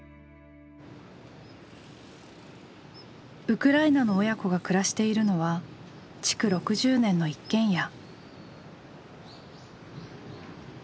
ウクライナの親子が暮らしているのは築６０年の一軒家。